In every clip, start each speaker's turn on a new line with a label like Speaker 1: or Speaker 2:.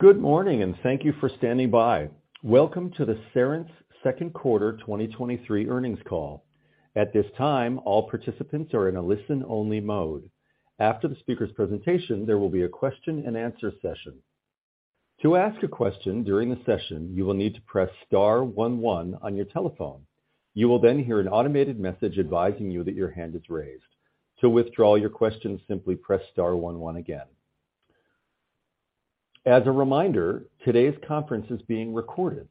Speaker 1: Good morning. Thank you for standing by. Welcome to the Cerence second quarter 2023 earnings call. At this time, all participants are in a listen-only mode. After the speaker's presentation, there will be a question and answer session. To ask a question during the session, you will need to press star one one on your telephone. You will hear an automated message advising you that your hand is raised. To withdraw your question, simply press star one one again. As a reminder, today's conference is being recorded.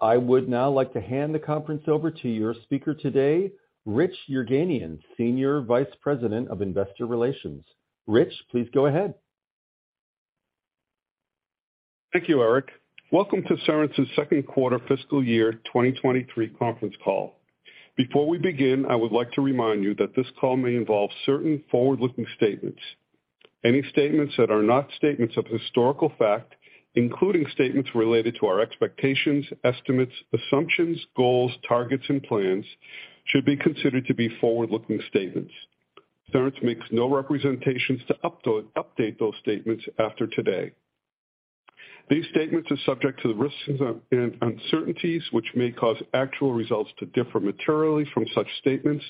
Speaker 1: I would now like to hand the conference over to your speaker today, Rich Yerganian, Senior Vice President of Investor Relations. Rich, please go ahead.
Speaker 2: Thank you, Eric. Welcome to Cerence's second quarter fiscal year 2023 conference call. Before we begin, I would like to remind you that this call may involve certain forward-looking statements. Any statements that are not statements of historical fact, including statements related to our expectations, estimates, assumptions, goals, targets, and plans, should be considered to be forward-looking statements. Cerence makes no representations to update those statements after today. These statements are subject to the risks and uncertainties which may cause actual results to differ materially from such statements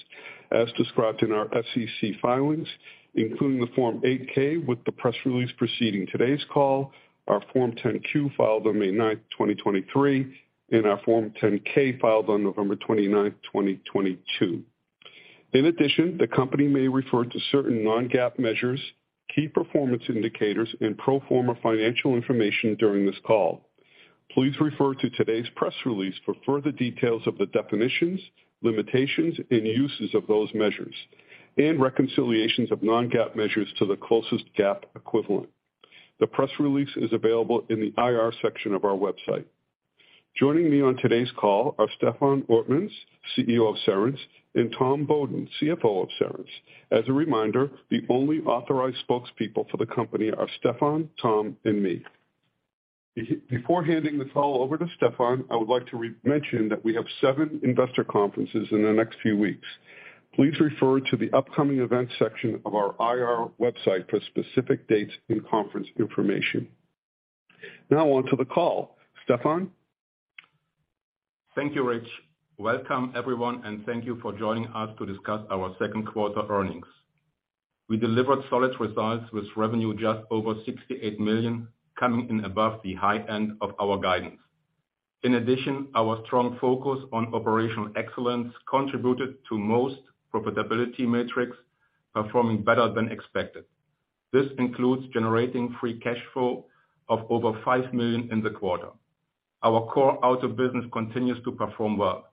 Speaker 2: as described in our SEC filings, including the Form 8-K with the press release proceeding today's call, our Form 10-Q filed on May 9, 2023, and our Form 10-K filed on November 29, 2022. In addition, the company may refer to certain non-GAAP measures, KPIs, and pro forma financial information during this call. Please refer to today's press release for further details of the definitions, limitations, and uses of those measures, and reconciliations of non-GAAP measures to the closest GAAP equivalent. The press release is available in the IR section of our website. Joining me on today's call are Stefan Ortmanns, CEO of Cerence, and Tom Beaudoin, CFO of Cerence. As a reminder, the only authorized spokespeople for the company are Stefan, Tom, and me. Before handing this all over to Stefan, I would like to mention that we have seven investor conferences in the next few weeks. Please refer to the upcoming event section of our IR website for specific dates and conference information. Now on to the call. Stefan?
Speaker 3: Thank you, Rich. Welcome, everyone, and thank you for joining us to discuss our second quarter earnings. We delivered solid results with revenue just over $68 million, coming in above the high end of our guidance. Our strong focus on operational excellence contributed to most profitability metrics performing better than expected. This includes generating free cash flow of over $5 million in the quarter. Our core auto business continues to perform well,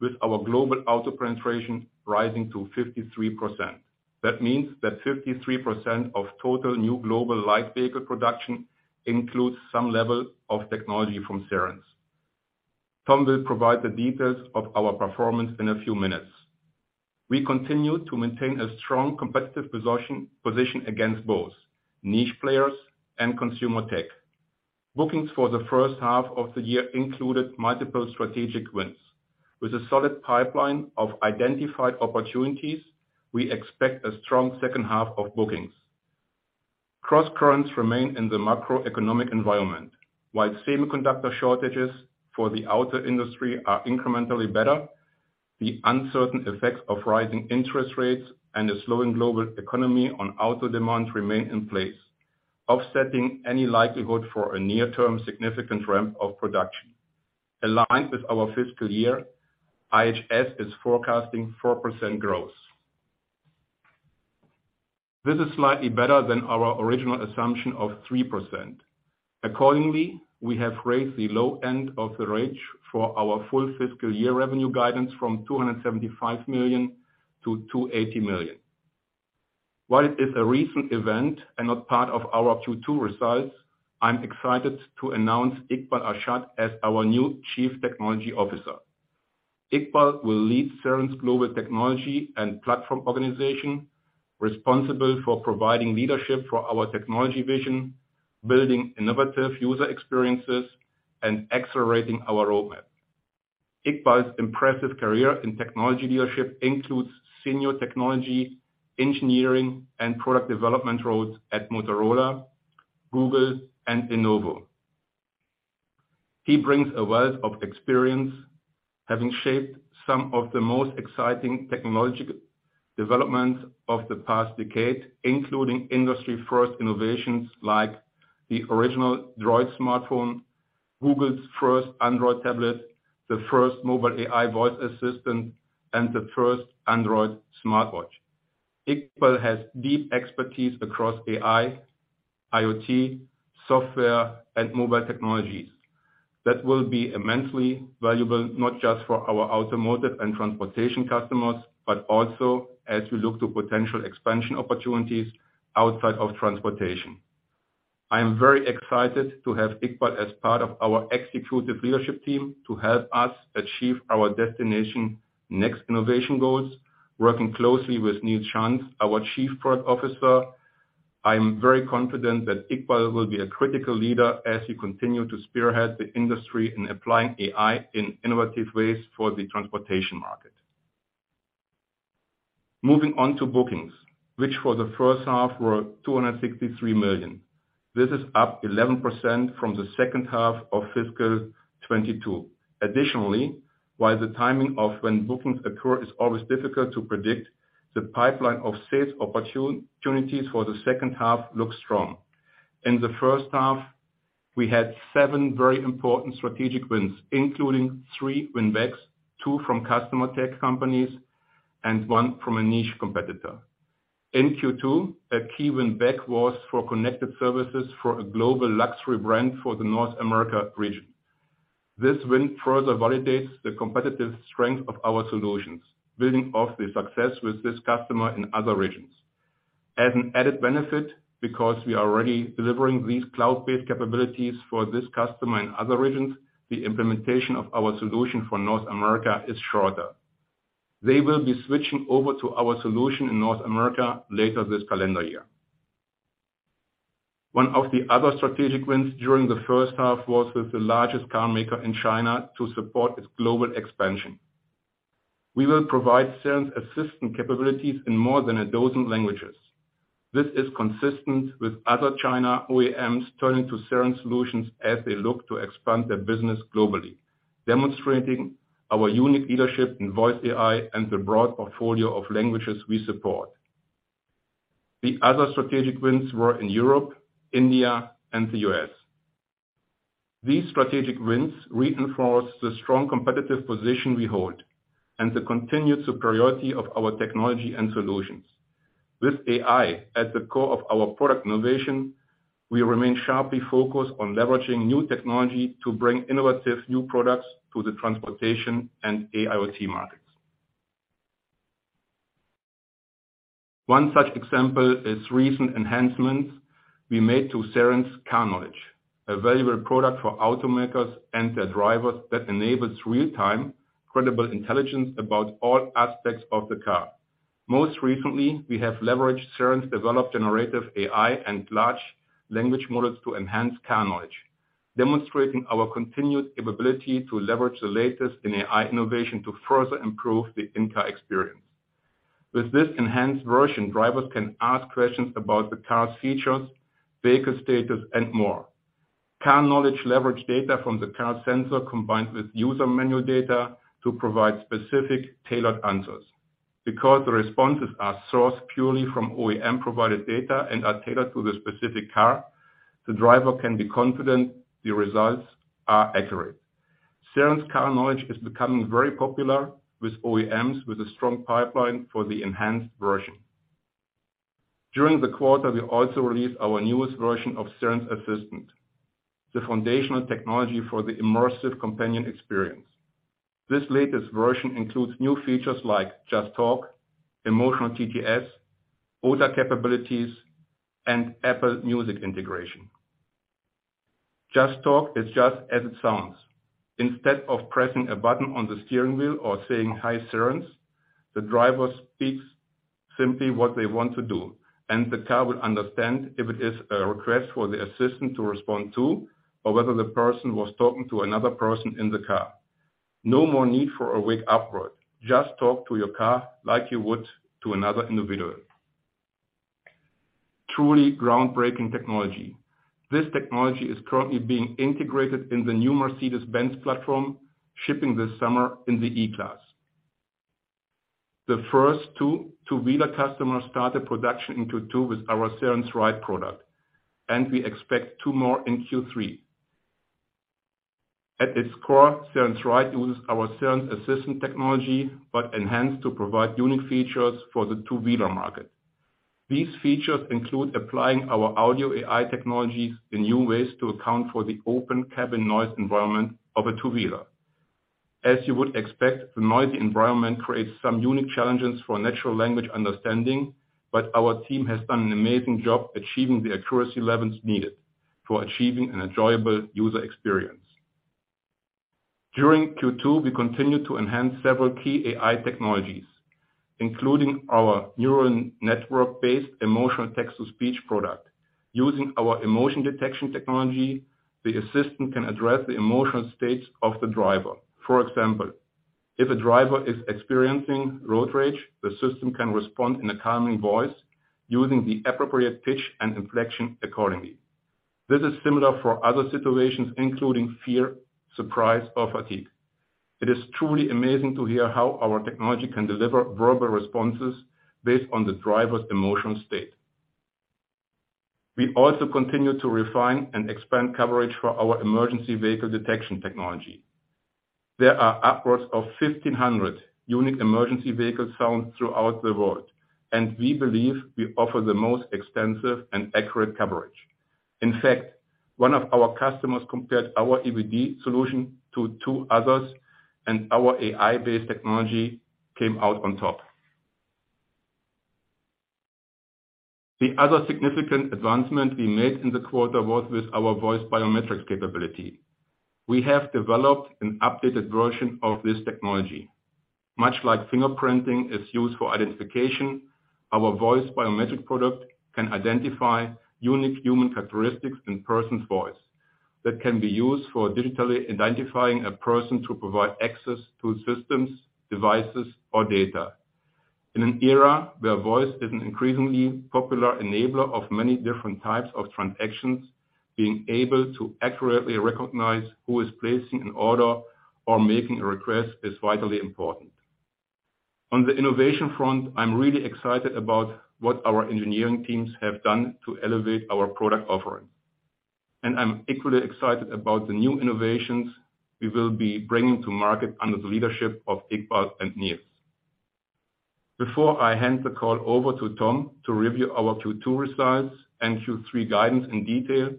Speaker 3: with our global auto penetration rising to 53%. That means that 53% of total new global light vehicle production includes some level of technology from Cerence. Tom will provide the details of our performance in a few minutes. We continue to maintain a strong competitive position against both niche players and consumer tech. Bookings for the first half of the year included multiple strategic wins. With a solid pipeline of identified opportunities, we expect a strong second half of bookings. Crosscurrents remain in the macroeconomic environment. While semiconductor shortages for the auto industry are incrementally better, the uncertain effects of rising interest rates and a slowing global economy on auto demand remain in place, offsetting any likelihood for a near-term significant ramp of production. Aligned with our fiscal year, IHS is forecasting 4% growth. This is slightly better than our original assumption of 3%. Accordingly, we have raised the low end of the range for our full fiscal year revenue guidance from $275 million to $280 million. While it is a recent event and not part of our Q2 results, I'm excited to announce Iqbal Arshad as our new Chief Technology Officer. Iqbal will lead Cerence global technology and platform organization, responsible for providing leadership for our technology vision, building innovative user experiences, and accelerating our roadmap. Iqbal's impressive career in tewchnology leadership includes senior technology, engineering, and product development roles at Motorola, Google, and Lenovo. He brings a wealth of experience, having shaped some of the most exciting technological developments of the past decade, including industry-first innovations like the original Droid smartphone, Google's first Android tablet, the first mobile AI voice assistant, and the first Android smartwatch. Iqbal has deep expertise across AI, IoT, software, and mobile technologies. That will be immensely valuable, not just for our automotive and transportation customers, but also as we look to potential expansion opportunities outside of transportation. I am very excited to have Iqbal as part of our executive leadership team to help us achieve our Destination Next innovation goals, working closely with Nils Schanz, our Chief Product Officer. I'm very confident that Iqbal will be a critical leader as we continue to spearhead the industry in applying AI in innovative ways for the transportation market. Moving on to bookings, which for the first half were $263 million. This is up 11% from the second half of fiscal '22. While the timing of when bookings occur is always difficult to predict, the pipeline of sales opportunities for the second half looks strong. In the first half, we had seven very important strategic wins, including three win-backs, two from customer tech companies, and one from a niche competitor. In Q2, a key win-back was for connected services for a global luxury brand for the North America region. This win further validates the competitive strength of our solutions, building off the success with this customer in other regions. As an added benefit, because we are already delivering these cloud-based capabilities for this customer in other regions, the implementation of our solution for North America is shorter. They will be switching over to our solution in North America later this calendar year. One of the other strategic wins during the first half was with the largest car maker in China to support its global expansion. We will provide Cerence Assistant capabilities in more than 12 languages. This is consistent with other China OEMs turning to Cerence solutions as they look to expand their business globally, demonstrating our unique leadership in voice AI and the broad portfolio of languages we support. The other strategic wins were in Europe, India, and the U.S. These strategic wins reinforce the strong competitive position we hold and the continued superiority of our technology and solutions. With AI at the core of our product innovation, we remain sharply focused on leveraging new technology to bring innovative new products to the transportation and AIoT markets. One such example is recent enhancements we made to Cerence Car Knowledge, a valuable product for automakers and their drivers that enables real-time, credible intelligence about all aspects of the car. Most recently, we have leveraged Cerence developed generative AI and large language models to enhance Car Knowledge, demonstrating our continued ability to leverage the latest in AI innovation to further improve the in-car experience. With this enhanced version, drivers can ask questions about the car's features, vehicle status, and more. Car Knowledge leverage data from the car sensor combined with user manual data to provide specific tailored answers. Because the responses are sourced purely from OEM-provided data and are tailored to the specific car, the driver can be confident the results are accurate. Cerence Car Knowledge is becoming very popular with OEMs with a strong pipeline for the enhanced version. During the quarter, we also released our newest version of Cerence Assistant, the foundational technology for the immersive companion experience. This latest version includes new features like Just Talk, Emotional TTS, OTA capabilities, and Apple Music integration. Just Talk is just as it sounds. Instead of pressing a button on the steering wheel or saying, "Hi, Cerence," the driver speaks simply what they want to do, and the car will understand if it is a request for the assistant to respond to or whether the person was talking to another person in the car. No more need for awake approach. Just talk to your car like you would to another individual. Truly groundbreaking technology. This technology is currently being integrated in the new Mercedes-Benz platform, shipping this summer in the E-Class. The first two, two-wheeler customers started production in Q2 with our Cerence Ride product, and we expect two more in Q3. At its core, Cerence Ride uses our Cerence Assistant technology, but enhanced to provide unique features for the two-wheeler market. These features include applying our audio AI technologies in new ways to account for the open cabin noise environment of a two-wheeler. As you would expect, the noise environment creates some unique challenges for natural language understanding, but our team has done an amazing job achieving the accuracy levels needed for achieving an enjoyable user experience. During Q2, we continued to enhance several key AI technologies, including our neural network-based emotional text-to-speech product. Using our emotion detection technology, the assistant can address the emotional states of the driver. For example, if a driver is experiencing road rage, the system can respond in a calming voice using the appropriate pitch and inflection accordingly. This is similar for other situations, including fear, surprise, or fatigue. It is truly amazing to hear how our technology can deliver verbal responses based on the driver's emotional state. We also continue to refine and expand coverage for our emergency vehicle detection technology. There are upwards of 1,500 unique emergency vehicle sounds throughout the world, and we believe we offer the most extensive and accurate coverage. In fact, one of our customers compared our EVD solution to two others, and our AI-based technology came out on top. The other significant advancement we made in the quarter was with our voice biometrics capability. We have developed an updated version of this technology. Much like fingerprinting is used for identification, our voice biometric product can identify unique human characteristics in person's voice. That can be used for digitally identifying a person to provide access to systems, devices, or data. In an era where voice is an increasingly popular enabler of many different types of transactions, being able to accurately recognize who is placing an order or making a request is vitally important. On the innovation front, I'm really excited about what our engineering teams have done to elevate our product offering, and I'm equally excited about the new innovations we will be bringing to market under the leadership of Iqbal and Nils. Before I hand the call over to Tom to review our Q2 results and Q3 guidance in detail,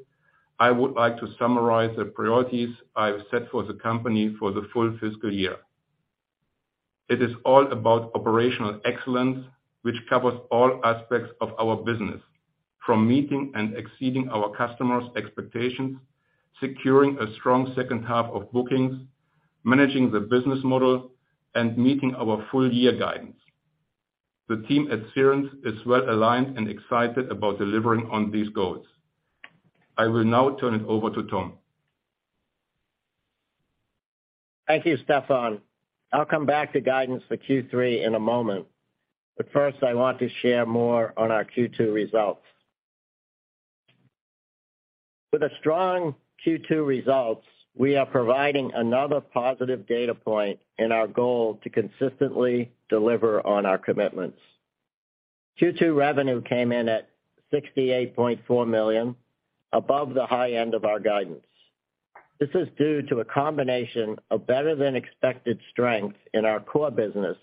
Speaker 3: I would like to summarize the priorities I've set for the company for the full fiscal year. It is all about operational excellence, which covers all aspects of our business, from meeting and exceeding our customers' expectations, securing a strong second half of bookings, managing the business model, and meeting our full year guidance. The team at Cerence is well-aligned and excited about delivering on these goals. I will now turn it over to Tom.
Speaker 4: Thank you, Stefan. I'll come back to guidance for Q3 in a moment, but first I want to share more on our Q2 results. With the strong Q2 results, we are providing another positive data point in our goal to consistently deliver on our commitments. Q2 revenue came in at $68.4 million, above the high end of our guidance. This is due to a combination of better than expected strength in our core business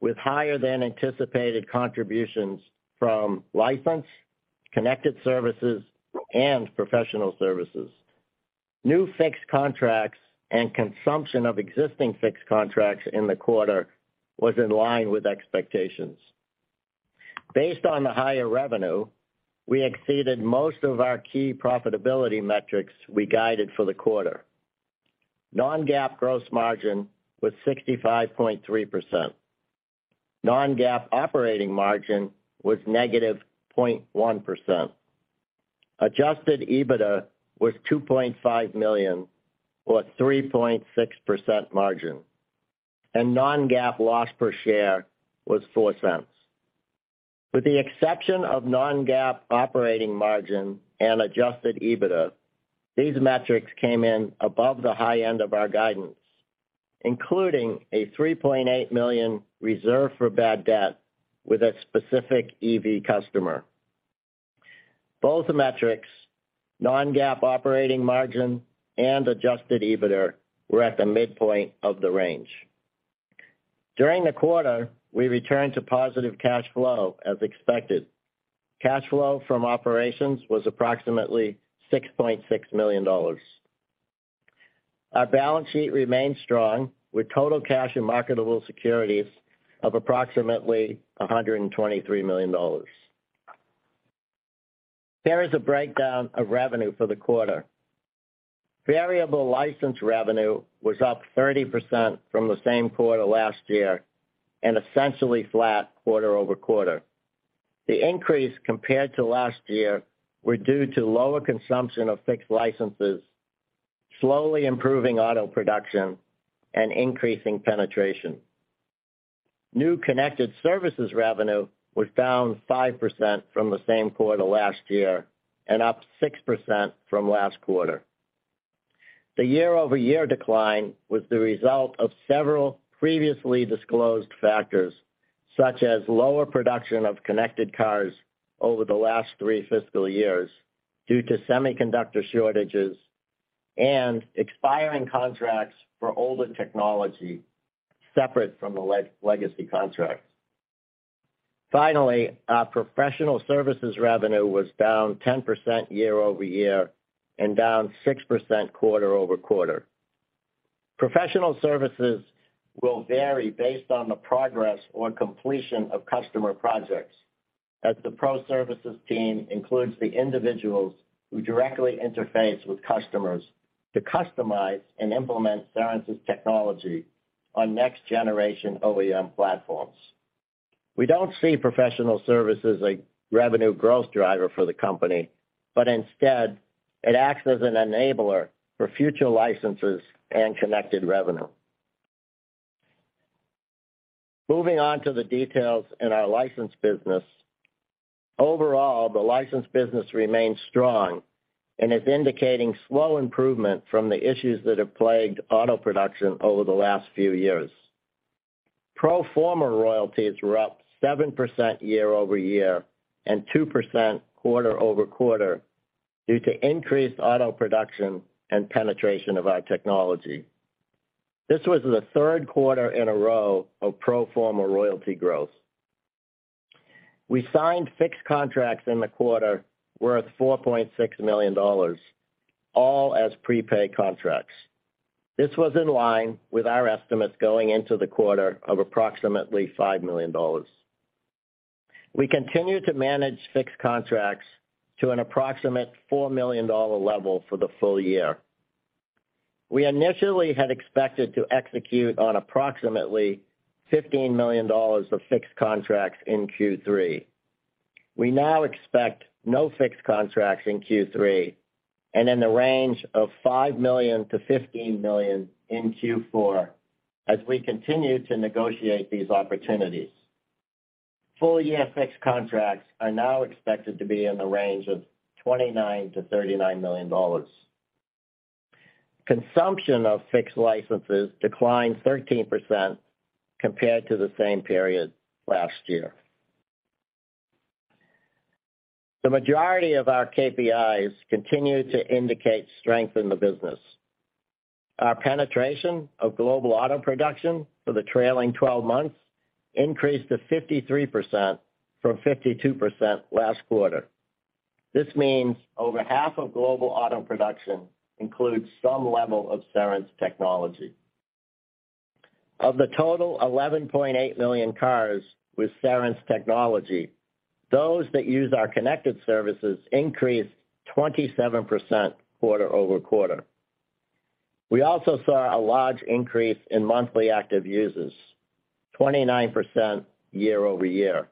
Speaker 4: with higher than anticipated contributions from license, connected services, and professional services. New fixed contracts and consumption of existing fixed contracts in the quarter was in line with expectations. Based on the higher revenue, we exceeded most of our key profitability metrics we guided for the quarter. Non-GAAP gross margin was 65.3%. Non-GAAP operating margin was -0.1%. Adjusted EBITDA was $2.5 million or 3.6% margin, and non-GAAP loss per share was $0.04. With the exception of non-GAAP operating margin and adjusted EBITDA, these metrics came in above the high end of our guidance, including a $3.8 million reserve for bad debt with a specific EV customer. Both the metrics, non-GAAP operating margin and adjusted EBITDA, were at the midpoint of the range. During the quarter, we returned to positive cash flow as expected. Cash flow from operations was approximately $6.6 million. Our balance sheet remains strong with total cash and marketable securities of approximately $123 million. There is a breakdown of revenue for the quarter. Variable license revenue was up 30% from the same quarter last year and essentially flat quarter-over-quarter. The increase compared to last year were due to lower consumption of fixed licenses, slowly improving auto production, and increasing penetration. New connected services revenue was down 5% from the same quarter last year and up 6% from last quarter. The year-over-year decline was the result of several previously disclosed factors, such as lower production of connected cars over the last three fiscal years due to semiconductor shortages and expiring contracts for older technology separate from the legacy contracts. Finally, our professional services revenue was down 10% year-over-year and down 6% quarter-over-quarter. Professional services will vary based on the progress or completion of customer projects, as the pro services team includes the individuals who directly interface with customers to customize and implement Cerence's technology on next generation OEM platforms. We don't see professional service as a revenue growth driver for the company, instead it acts as an enabler for future licenses and connected revenue. Moving on to the details in our license business. Overall, the license business remains strong and is indicating slow improvement from the issues that have plagued auto production over the last few years. Pro Forma Royalties were up 7% year-over-year and 2% quarter-over-quarter due to increased auto production and penetration of our technology. This was the third quarter in a row of Pro Forma Royalty growth. We signed fixed contracts in the quarter worth $4.6 million, all as prepay contracts. This was in line with our estimates going into the quarter of approximately $5 million. We continue to manage fixed contracts to an approximate $4 million level for the full year. We initially had expected to execute on approximately $15 million of fixed contracts in Q3. We now expect no fixed contracts in Q3 and in the range of $5 million-$15 million in Q4 as we continue to negotiate these opportunities. Full year fixed contracts are now expected to be in the range of $29 million-$39 million. Consumption of fixed licenses declined 13% compared to the same period last year. The majority of our KPIs continue to indicate strength in the business. Our penetration of global auto production for the trailing 12 months increased to 53% from 52% last quarter. This means over half of global auto production includes some level of Cerence technology. Of the total 11.8 million cars with Cerence technology, those that use our connected services increased 27% quarter-over-quarter. We also saw a large increase in monthly active users, 29% year-over-year,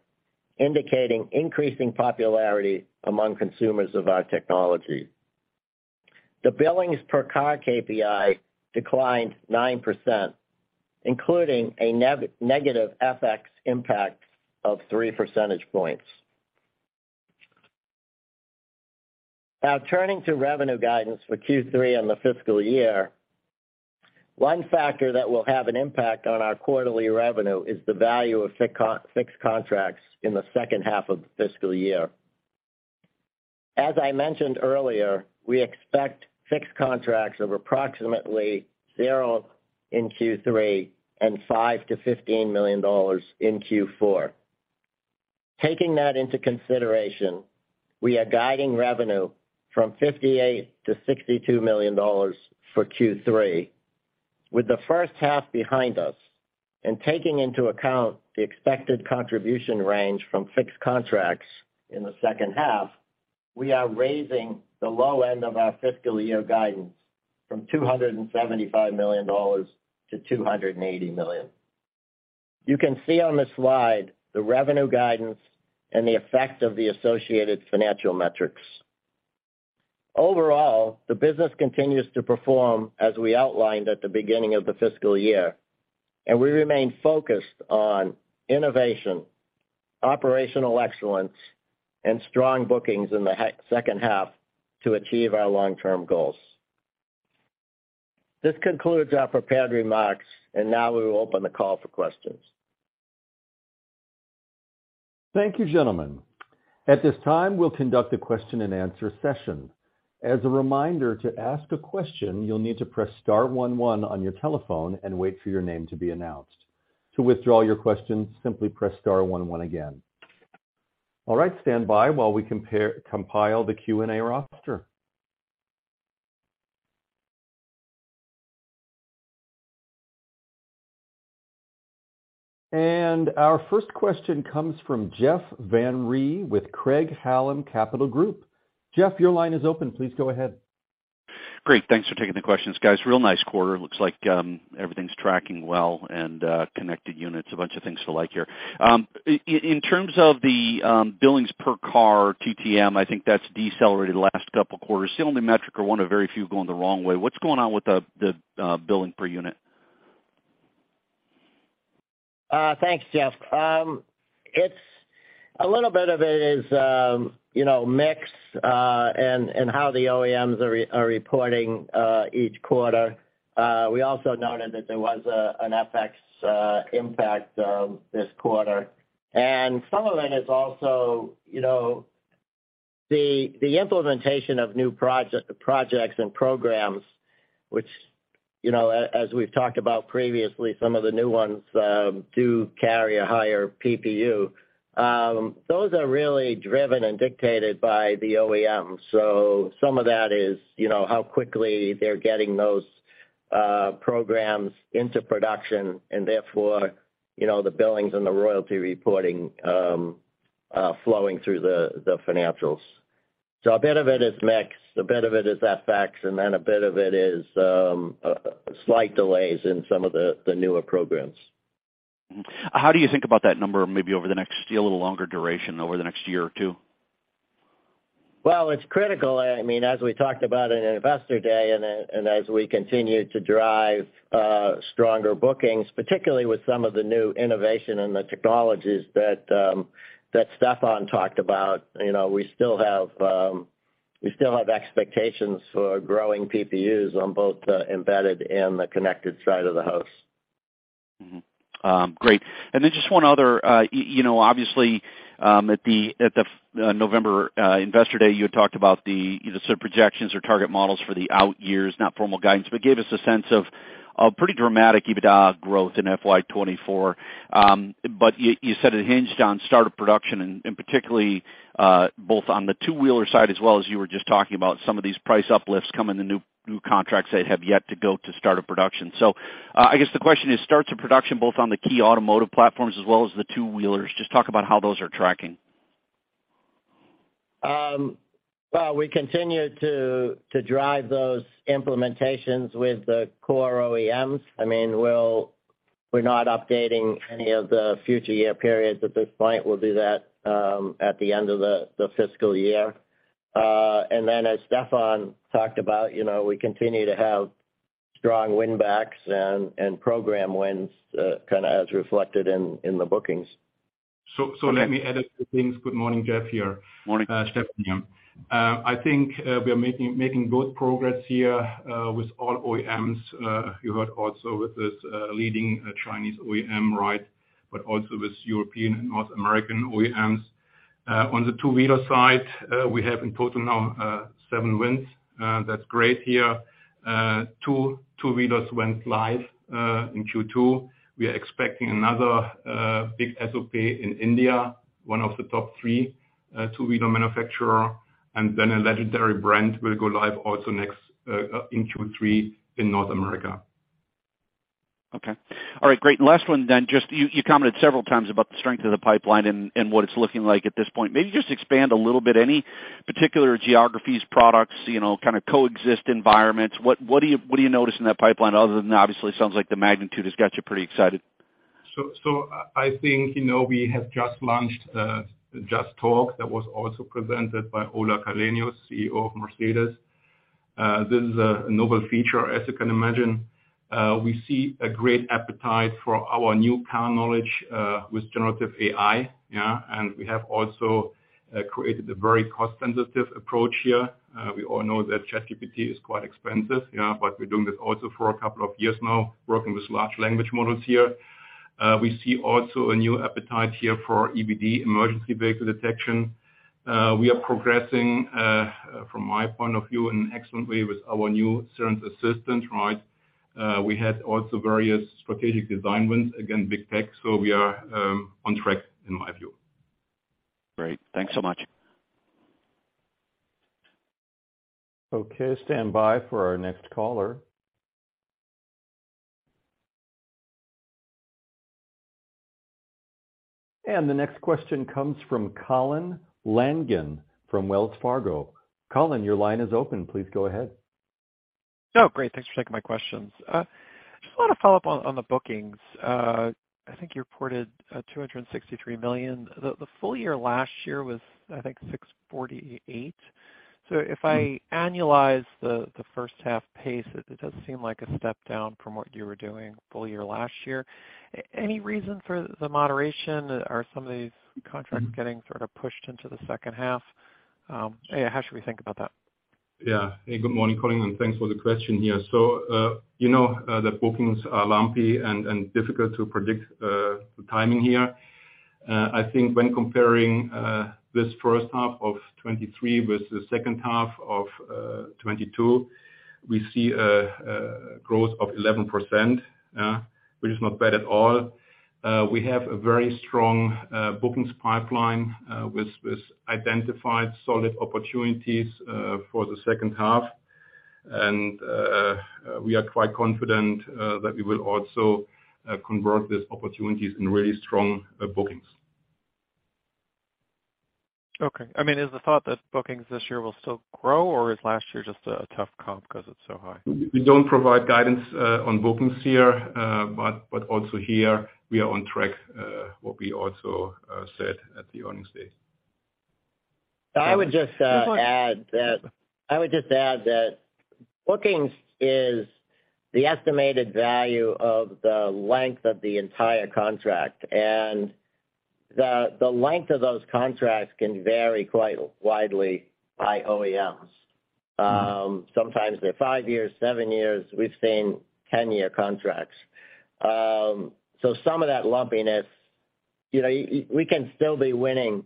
Speaker 4: indicating increasing popularity among consumers of our technology. The billings per car KPI declined 9%, including a negative FX impact of 3 percentage points. Turning to revenue guidance for Q3 and the fiscal year. One factor that will have an impact on our quarterly revenue is the value of fixed contracts in the second half of the fiscal year. As I mentioned earlier, we expect fixed contracts of approximately $0 in Q3 and $5 million-$15 million in Q4. Taking that into consideration, we are guiding revenue from $58 million-$62 million for Q3. With the first half behind us and taking into account the expected contribution range from fixed contracts in the second half, we are raising the low end of our fiscal year guidance from $275 million to $280 million. You can see on this slide the revenue guidance and the effect of the associated financial metrics. Overall, the business continues to perform as we outlined at the beginning of the fiscal year, and we remain focused on innovation, operational excellence, and strong bookings in the second half to achieve our long-term goals. This concludes our prepared remarks, and now we will open the call for questions.
Speaker 1: Thank you, gentlemen. At this time, we'll conduct a question-and-answer session. As a reminder, to ask a question, you'll need to press star one one on your telephone and wait for your name to be announced. To withdraw your question, simply press star one one again. All right, stand by while we compile the Q&A roster. Our first question comes from Jeff Van Rhee with Craig-Hallum Capital Group. Jeff, your line is open. Please go ahead.
Speaker 5: Great. Thanks for taking the questions, guys. Real nice quarter. Looks like everything's tracking well and connected units, a bunch of things to like here. In terms of the billings per car TTM, I think that's decelerated the last couple quarters, the only metric or one of very few going the wrong way. What's going on with the billing per unit?
Speaker 4: Thanks, Jeff. It's a little bit of it is, you know, mix, and how the OEMs are reporting each quarter. We also noted that there was an FX impact this quarter. Some of it is also, you know, the implementation of new projects and programs which, you know, as we've talked about previously, some of the new ones do carry a higher PPU. Those are really driven and dictated by the OEM. Some of that is, you know, how quickly they're getting those programs into production and therefore, you know, the billings and the royalty reporting flowing through the financials. A bit of it is mix, a bit of it is FX, and then a bit of it is slight delays in some of the newer programs.
Speaker 5: How do you think about that number maybe over the next, see a little longer duration over the next year or two?
Speaker 4: It's critical. I mean, as we talked about in Investor Day and as we continue to drive stronger bookings, particularly with some of the new innovation and the technologies that Stefan talked about, you know, we still have expectations for growing PPUs on both the embedded and the connected side of the house.
Speaker 5: Great. Just one other, you know, obviously, at the November Investor Day, you had talked about the, you know, sort of projections or target models for the out years, not formal guidance, but gave us a sense of pretty dramatic EBITDA growth in FY 2024. You said it hinged on start of production and particularly both on the two-wheeler side as well as you were just talking about some of these price uplifts coming to new contracts that have yet to go to start of production. I guess the question is, starts of production, both on the key automotive platforms as well as the two-wheelers, just talk about how those are tracking.
Speaker 4: Well, we continue to drive those implementations with the core OEMs. I mean, we're not updating any of the future year periods at this point. We'll do that, at the end of the fiscal year. As Stefan talked about, you know, we continue to have strong win backs and program wins, as reflected in the bookings.
Speaker 3: Let me add a few things. Good morning, Jeff.
Speaker 5: Morning.
Speaker 3: Stefan here. I think we are making good progress here with all OEMs. You heard also with this leading Chinese OEM, right, but also with European and North American OEMs. On the two-wheeler side, we have in total now seven wins. That's great here. Two wheelers went live in Q2. We are expecting another big SOP in India, one of the top three two-wheeler manufacturer, and then a legendary brand will go live also next in Q3 in North America.
Speaker 5: Okay. All right, great. Last one then, just you commented several times about the strength of the pipeline and what it's looking like at this point. Maybe just expand a little bit, any particular geographies, products, you know, kinda coexist environments. What do you notice in that pipeline other than obviously sounds like the magnitude has got you pretty excited?
Speaker 3: I think, you know, we have just launched Just Talk. That was also presented by Ola Källenius, CEO of Mercedes. This is a novel feature, as you can imagine. We see a great appetite for our new Car Knowledge with generative AI. We have also created a very cost-sensitive approach here. We all know that ChatGPT is quite expensive. We're doing this also for a couple of years now, working with large language models here. We see also a new appetite here for EBD, Emergency Brake Detection. We are progressing, from my point of view, in an excellent way with our new Cerence Assistant, right? We had also various strategic design wins against big tech. We are on track in my view.
Speaker 5: Great. Thanks so much.
Speaker 1: Okay, stand by for our next caller. The next question comes from Colin Langan from Wells Fargo. Colin, your line is open. Please go ahead.
Speaker 6: Oh, great. Thanks for taking my questions. Just wanna follow up on the bookings. I think you reported $263 million. The full year last year was, I think, $648. If I annualize the first half pace, it does seem like a step down from what you were doing full year last year. Any reason for the moderation? Are some of these contracts getting sort of pushed into the second half? Yeah, how should we think about that?
Speaker 3: Yeah. Hey, good morning, Colin, and thanks for the question here. You know, the bookings are lumpy and difficult to predict the timing here. I think when comparing this first half of 2023 with the second half of 2022, we see growth of 11%, which is not bad at all. We have a very strong bookings pipeline with identified solid opportunities for the second half. We are quite confident that we will also convert these opportunities in really strong bookings.
Speaker 6: Okay. I mean, is the thought that bookings this year will still grow, or is last year just a tough comp 'cause it's so high?
Speaker 3: We don't provide guidance, on bookings here. Also here we are on track, what we also, said at the earnings date.
Speaker 4: I would just add that bookings is the estimated value of the length of the entire contract, and the length of those contracts can vary quite widely by OEMs. Sometimes they're five years, seven years. We've seen 10-year contracts. So some of that lumpiness, you know, we can still be winning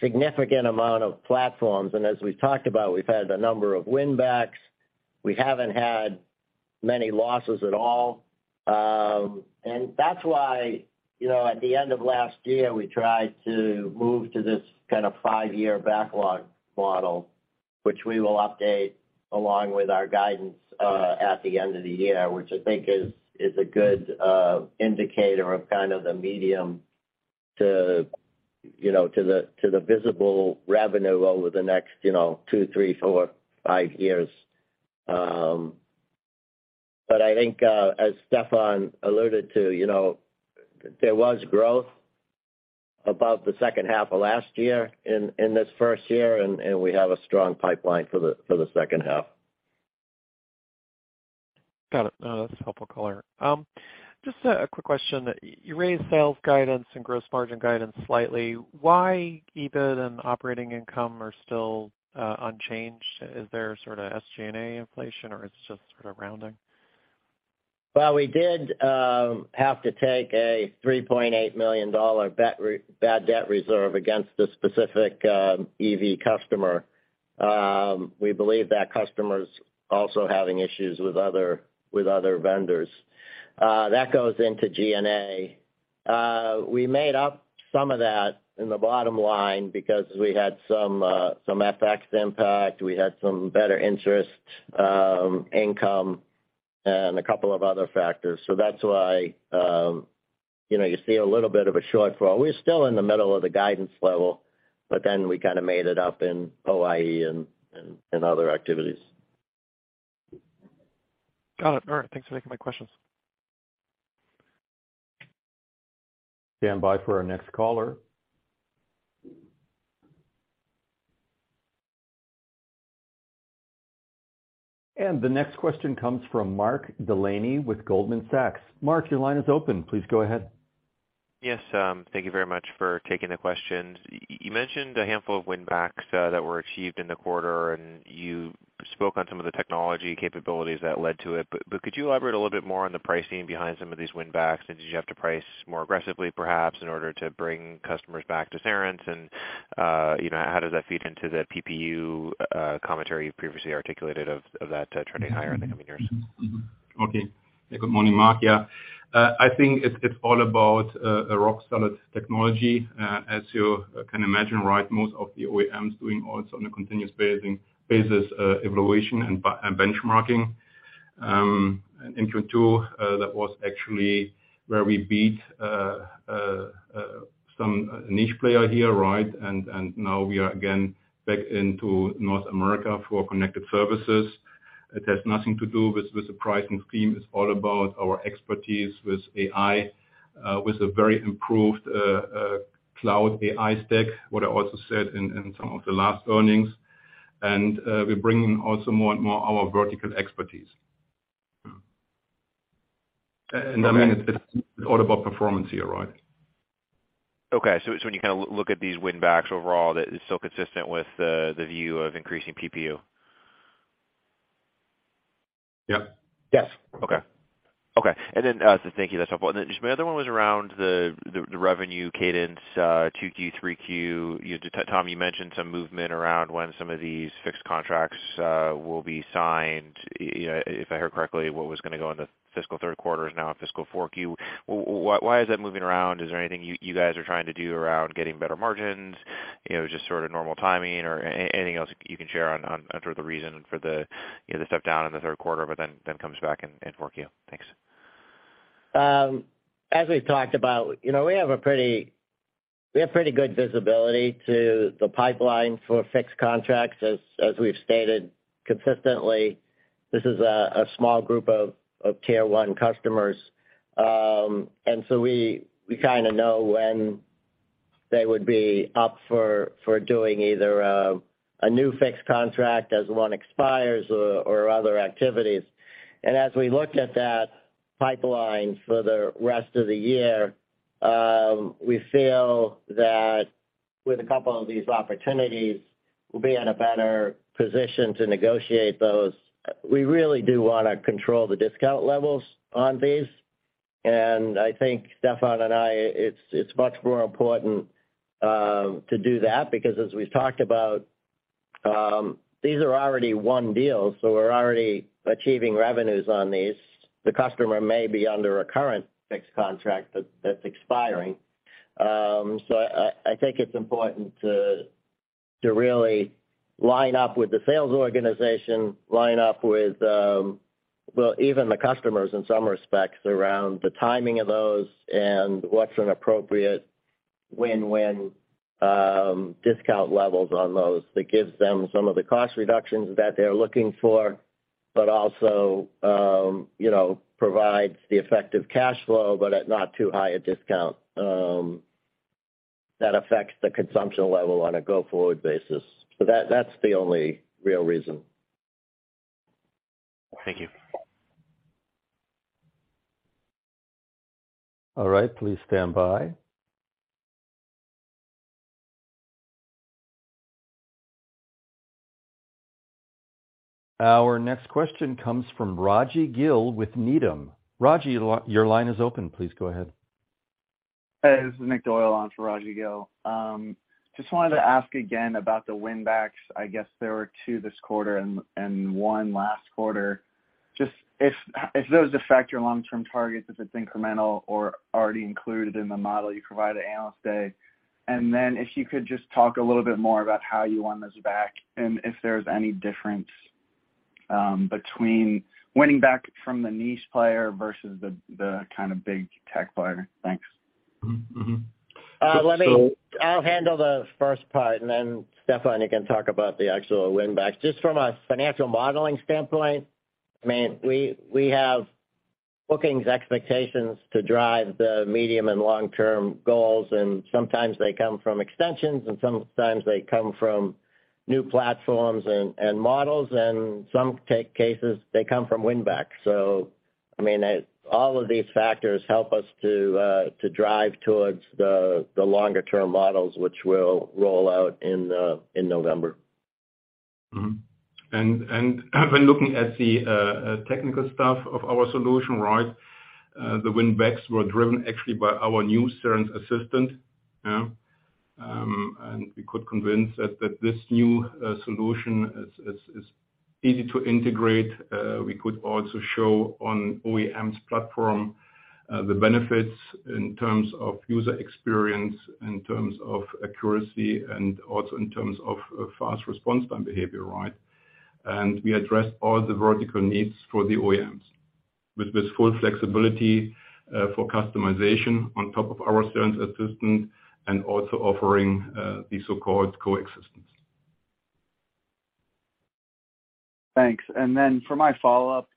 Speaker 4: significant amount of platforms. As we've talked about, we've had a number of win backs. We haven't had many losses at all. That's why, you know, at the end of last year, we tried to move to this kinda five-year backlog model, which we will update along with our guidance at the end of the year, which I think is a good indicator of kind of the medium to, you know, to the, to the visible revenue over the next, you know, two, three, four, five years. I think, as Stefan alluded to, you know, there was growth above the second half of last year in this first year, and we have a strong pipeline for the second half.
Speaker 6: Got it. No, that's a helpful color. Just a quick question. You raised sales guidance and gross margin guidance slightly. Why EBIT and operating income are still unchanged? Is there sort of SG&A inflation, or it's just sort of rounding?
Speaker 4: We did have to take a $3.8 million bad debt reserve against a specific EV customer. We believe that customer's also having issues with other vendors. That goes into G&A. We made up some of that in the bottom line because we had some FX impact. We had some better interest income and a couple of other factors. That's why, you know, you see a little bit of a shortfall. We're still in the middle of the guidance level, we kind of made it up in OIE and other activities.
Speaker 6: Got it. All right. Thanks for taking my questions.
Speaker 1: Standby for our next caller. The next question comes from Mark Delaney with Goldman Sachs. Mark, your line is open. Please go ahead.
Speaker 7: Yes, thank you very much for taking the questions. You, you mentioned a handful of winbacks that were achieved in the quarter, and you spoke on some of the technology capabilities that led to it. Could you elaborate a little bit more on the pricing behind some of these winbacks? Did you have to price more aggressively, perhaps, in order to bring customers back to Cerence? You know, how does that feed into the PPU commentary you previously articulated of that trending higher in the coming years?,
Speaker 3: Mark. I think it's all about a rock-solid technology. As you can imagine, most of the OEMs doing also on a continuous basis evaluation and benchmarking. In Q2, that was actually where we beat some niche player here. Now we are again back into North America for connected services. It has nothing to do with the pricing scheme. It's all about our expertise with AI, with a very improved cloud AI stack, what I also said in some of the last earnings. We bring also more and more our vertical expertise.
Speaker 7: Okay.
Speaker 3: I mean, it's all about performance here, right?
Speaker 7: Okay. When you kinda look at these winbacks overall, that is still consistent with the view of increasing PPU?
Speaker 3: Yeah. Yes.
Speaker 7: Okay. Okay. Thank you. That's helpful. Just my other one was around the revenue cadence, 2Q, 3Q. Tom, you mentioned some movement around when some of these fixed contracts will be signed. You know, if I heard correctly, what was gonna go into fiscal third quarter is now a fiscal 4Q. Why is that moving around? Is there anything you guys are trying to do around getting better margins? You know, just sort of normal timing or anything else you can share on the reason for the, you know, the step down in the third quarter, but then comes back in 4Q. Thanks.
Speaker 4: As we've talked about, you know, we have pretty good visibility to the pipeline for fixed contracts. As we've stated consistently, this is a small group of tier 1 customers. We kinda know when they would be up for doing either a new fixed contract as one expires or other activities. As we look at that pipeline for the rest of the year, we feel that with a couple of these opportunities, we'll be in a better position to negotiate those. We really do wanna control the discount levels on these. I think Stefan and I, it's much more important to do that because as we've talked about, these are already won deals, so we're already achieving revenues on these. The customer may be under a current fixed contract that's expiring. I think it's important to really line up with the sales organization, line up with, well, even the customers in some respects around the timing of those and what's an appropriate win-win discount levels on those that gives them some of the cost reductions that they're looking for, but also, you know, provides the effective cash flow but at not too high a discount that affects the consumption level on a go-forward basis. That's the only real reason.
Speaker 7: Thank you.
Speaker 1: All right. Please stand by. Our next question comes from Rajvindra Gill with Needham. Rajvindra, your line is open. Please go ahead.
Speaker 8: Hey, this is Nick Doyle on for Rajvindra Gill. Just wanted to ask again about the winbacks. I guess there were two this quarter and one last quarter. Just if those affect your long-term targets, if it's incremental or already included in the model you provided at Analyst Day. If you could just talk a little bit more about how you won those back and if there's any difference between winning back from the niche player versus the kind of big tech player. Thanks.
Speaker 3: Mm-hmm. Mm-hmm.
Speaker 4: let me-
Speaker 3: So-
Speaker 4: I'll handle the first part, and then Stefan, you can talk about the actual winbacks. Just from a financial modeling standpoint, I mean, we have bookings expectations to drive the medium and long-term goals, and sometimes they come from extensions, and sometimes they come from new platforms and models, and some tech cases, they come from winbacks. I mean, all of these factors help us to drive towards the longer-term models which we'll roll out in November.
Speaker 3: Mm-hmm. When looking at the technical stuff of our solution, the winbacks were driven actually by our new Cerence Assistant. We could convince that this new solution is easy to integrate. We could also show on OEM's platform the benefits in terms of user experience, in terms of accuracy, and also in terms of fast response time behavior. We address all the vertical needs for the OEMs with full flexibility for customization on top of our sales assistant and also offering the so-called coexistence.
Speaker 8: Thanks. For my follow-up,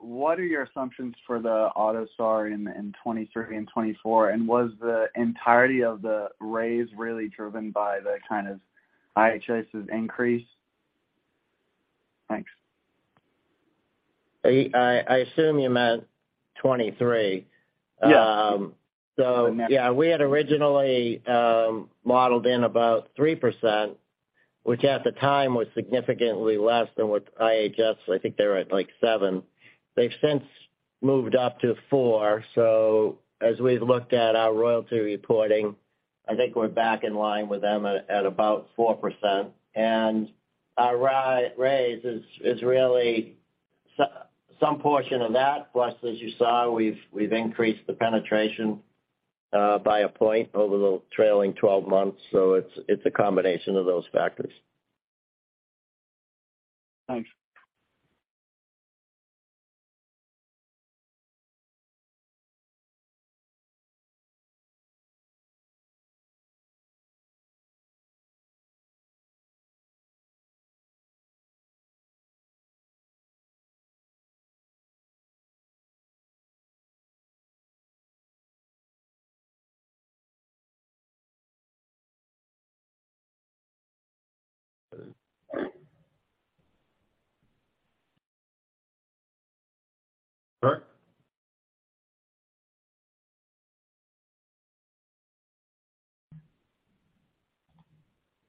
Speaker 8: what are your assumptions for the AUTOSAR in 2023 and 2024? Was the entirety of the raise really driven by the kind of IHS increase? Thanks.
Speaker 4: I assume you meant 2023.
Speaker 8: Yes.
Speaker 4: We had originally modeled in about 3%, which at the time was significantly less than what IHS, I think they were at, like, 7%. They've since moved up to 4%. As we've looked at our royalty reporting, I think we're back in line with them at about 4%. Our raise is really some portion of that. Plus, as you saw, we've increased the penetration by one point over the trailing twelve months. It's a combination of those factors.
Speaker 8: Thanks.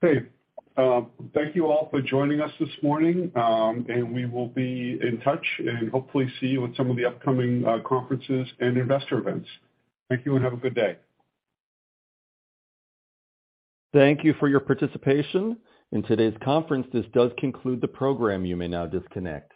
Speaker 3: Mark?
Speaker 2: Hey, thank you all for joining us this morning, and we will be in touch and hopefully see you at some of the upcoming conferences and investor events. Thank you, and have a good day.
Speaker 1: Thank you for your participation in today's conference. This does conclude the program. You may now disconnect.